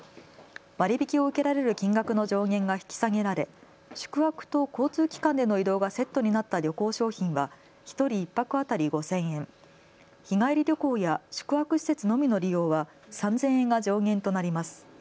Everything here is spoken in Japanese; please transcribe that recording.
割り引きを受けられる金額の上限が引き下げられ宿泊と交通機関での移動がセットになった旅行商品は１人１泊当たり５０００円、日帰り旅行や宿泊施設のみの利用は３０００円が上限となります。